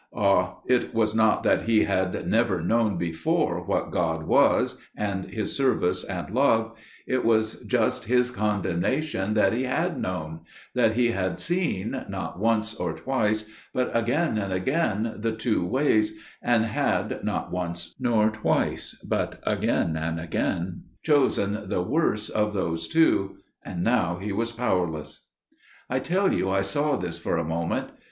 Ah! it was not that he had never known before what God was, and His service and love; it was just his condemnation that he had known: that he had seen, not once or twice but again and again, the two ways, and had, not once nor twice but again and again, chosen the worse of those two; and now he was powerless. "I tell you I saw this for a moment.